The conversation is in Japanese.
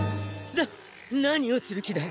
な何をする気だい？